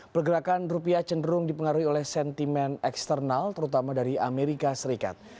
pergerakan rupiah cenderung dipengaruhi oleh sentimen eksternal terutama dari amerika serikat